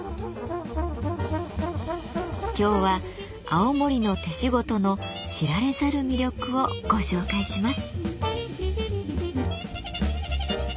今日は青森の手仕事の知られざる魅力をご紹介します。